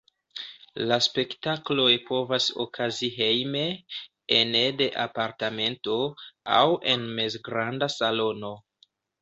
La spektakloj povas okazi hejme, ene de apartamento, aŭ en mezgranda salono.